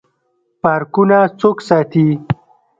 پارکونه څوک ساتي؟